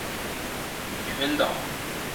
其名称来自于拉丁文的巴利阿里群岛。